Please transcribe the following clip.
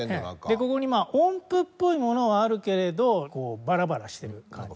でここにまあ音符っぽいものはあるけれどバラバラしてる感じ。